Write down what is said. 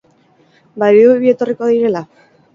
Badirudi bi etorriko direla?